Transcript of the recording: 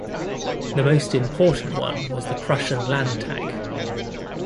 The most important one was the "Prussian Landtag".